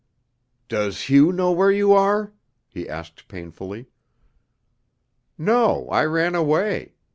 "Does Hugh know where you are?" he asked painfully. "No. I ran away.